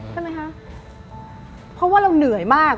ใช่ไหมคะเพราะว่าเราเหนื่อยมาก